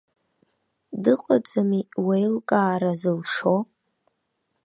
Дыҟаӡами уеилкаара зылшо?